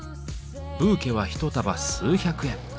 ブーケは一束数百円。